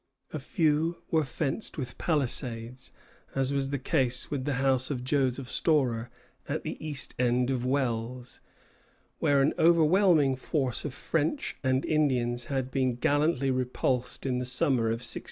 A few were fenced with palisades, as was the case with the house of Joseph Storer at the east end of Wells, where an overwhelming force of French and Indians had been gallantly repulsed in the summer of 1692.